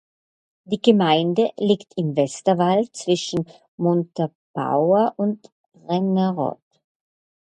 Die Gemeinde liegt im Westerwald zwischen Montabaur und Rennerod.